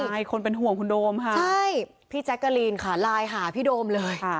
ใช่คนเป็นห่วงคุณโดมค่ะใช่พี่แจ๊กกะลีนค่ะไลน์หาพี่โดมเลย